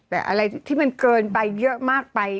แต่อะไรที่มันเกินไปเยอะมากไป